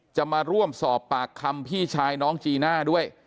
จะมาร่วมสอบปากคำพี่ชายน้องจีน่าด้วย